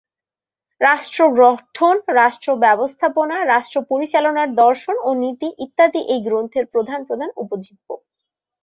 রাষ্ট্র গঠন, রাষ্ট্র ব্যবস্থাপনা, রাষ্ট্র পরিচালনার দর্শন ও নীতি ইত্যাদি এই গ্রন্থের প্রধান প্রধান উপজীব্য।